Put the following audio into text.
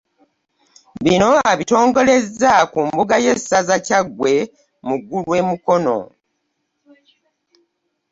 Bino abitongolezza ku mbuga y'essaza Kyaggwe mu Ggulu e Mukono.